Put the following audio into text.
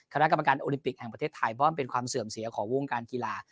คณะกรรมการโอลิมปิกแห่งประเทศไทยเพราะมันเป็นความเสื่อมเสียของวงการกีฬา